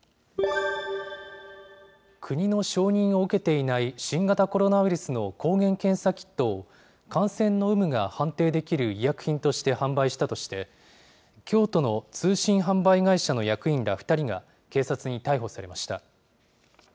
国の承認を受けていない新型コロナウイルスの抗原検査キットを、感染の有無が判定できる医薬品として販売したとして、京都の通信販売会社の役員ら２人が、警察に逮捕されました。